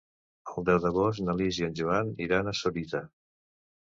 El deu d'agost na Lis i en Joan iran a Sorita.